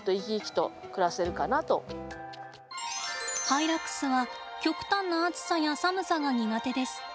ハイラックスは極端な暑さや寒さが苦手です。